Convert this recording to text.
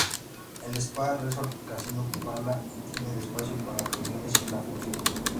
El Spa Resort Casino Pala y tiene de espacio para reuniones y la función.